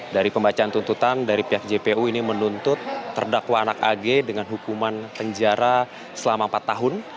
dari pembacaan tuntutan dari pihak jpu ini menuntut terdakwa anak ag dengan hukuman penjara selama empat tahun